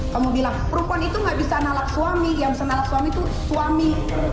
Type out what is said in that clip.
kamu bilang perempuan itu gak bisa nalak suami yang bisa nalak suami itu suami